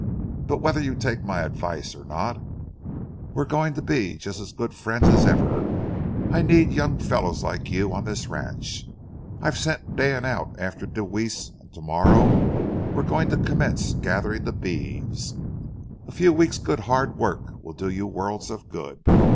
But whether you take my advice or not, we're going to be just as good friends as ever. I need young fellows like you on this ranch. I've sent Dan out after Deweese, and to morrow we're going to commence gathering beeves. A few weeks' good hard work will do you worlds of good.